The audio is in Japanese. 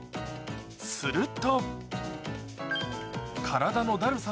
すると。